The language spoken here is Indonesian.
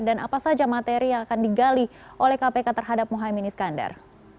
dan apa saja materi yang akan digali oleh kpk terhadap muhammad iskandar